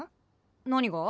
何が？